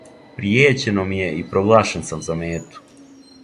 Пријећено ми је и проглашен сам за мету.